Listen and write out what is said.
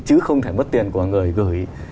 chứ không thể mất tiền của người gửi